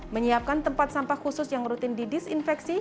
menyiapkan tempat sampah khusus yang rutin didisinfeksi